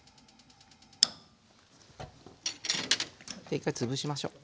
一回潰しましょう。